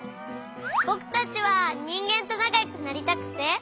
ぼくたちはにんげんとなかよくなりたくて。